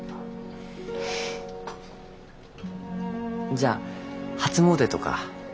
じゃあ初詣とか行く？